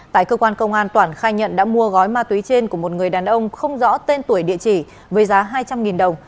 tại cơ quan công an toản khai nhận đã mua gói ma túy trên của một người đàn ông không rõ tên tuổi địa chỉ với giá hai trăm linh đồng